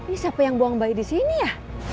ini siapa yang buang bayi disini ya